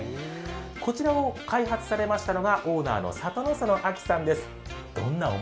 こちらを開発されましたのがオーナーの里之園亜季さんです。